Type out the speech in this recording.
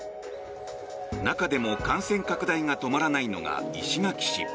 中でも感染拡大が止まらないのが石垣市。